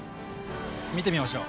見てみましょう！